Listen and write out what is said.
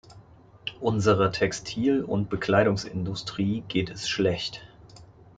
Unserer Textil- und Bekleidungsindustrie geht es schlecht.